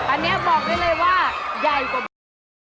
อันนี้บอกได้เลยว่าใหญ่กว่าหมู